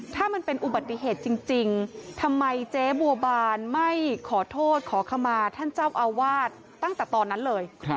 ถ้ามันเป็นอุบัติเหตุจริงทำไมเจ๊บัวบานไม่ขอโทษขอขมาท่านเจ้าอาวาสตั้งแต่ตอนนั้นเลย